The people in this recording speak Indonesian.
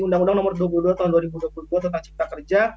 undang undang nomor dua puluh dua tahun dua ribu dua puluh dua tentang cipta kerja